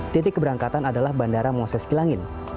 titik keberangkatan adalah bandara moses kilangin